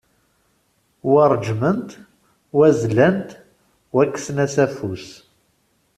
Wa ṛejmen-t, wa zlan-t, wa kksen-as afus.